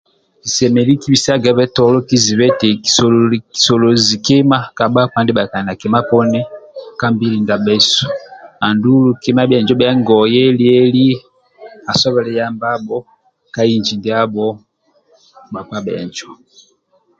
Kisemeleli kibisagabe tolo kizibu eti kisolozi kima ka bhakpa ndibha bhakali na kima poni ka mbili ndiabhesu andulu kima tai injo bhia ngoye, lieli asobhile yambabho ka inji ndiabho bhakpa bhenjo